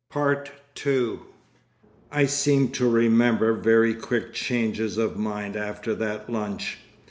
II I seem to remember very quick changes of mind after that lunch.